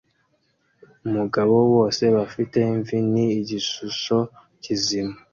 Umugabo bose bafite imvi ni igishusho kizima